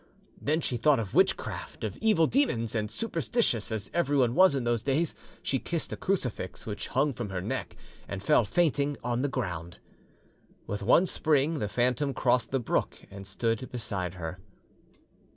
Then she thought of witchcraft, of evil demons, and superstitious as every one was in those days, she kissed a crucifix which hung from her neck, and fell fainting on the ground. With one spring the phantom crossed the brook and stood beside her.